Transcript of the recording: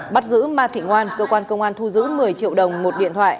bắt giữ ma thị ngoan cơ quan công an thu giữ một mươi triệu đồng một điện thoại